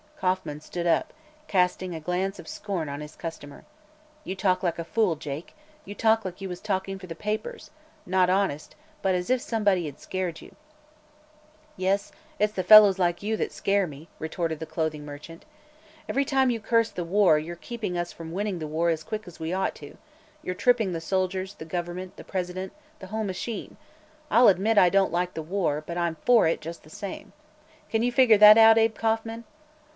Kauffman stood up, casting a glance of scorn on his customer. "You talk like a fool, Jake; you talk like you was talking for the papers not honest, but as if someone had scared you." "Yes; it's the fellows like you that scare me," retorted the clothing merchant. "Ev'ry time you curse the war you're keeping us from winning the war as quick as we ought to; you're tripping the soldiers, the government, the President the whole machine. I'll admit I don't like the war, but I'm for it, just the same. Can you figure that out, Abe Kauffman?